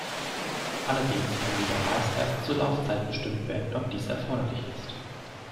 Allerdings kann jedoch meist erst zur Laufzeit bestimmt werden kann ob dies erforderlich ist.